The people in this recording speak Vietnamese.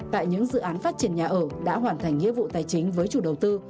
tại những dự án phát triển nhà ở đã hoàn thành nghĩa vụ tài chính với chủ đầu tư